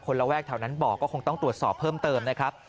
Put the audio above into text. คนละแวกบอบเพราะจะต้องตรวจสอบเพิ่มเติมนะครับ